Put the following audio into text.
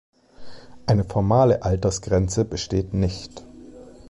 Eine formale Altersgrenze besteht nicht.